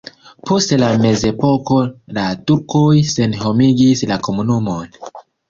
Post la mezepoko la turkoj senhomigis la komunumon.